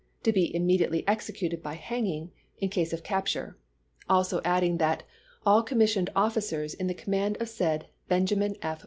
. to be immediately executed by hanging" in case of capture, also adding that "all commissioned offi cers in the command of said Benjamin F.